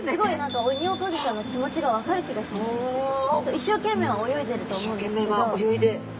一生懸命泳いでると思うんですけどあっ